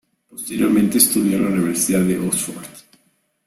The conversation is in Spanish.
Posteriormente estudió en la Universidad de Oxford.